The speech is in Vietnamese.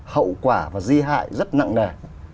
hậu quả và di hại rất nặng nẻ